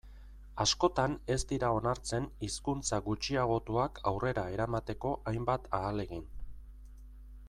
Askotan ez dira onartzen hizkuntza gutxiagotuak aurrera eramateko hainbat ahalegin.